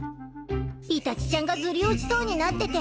イタチちゃんがずり落ちそうになってて。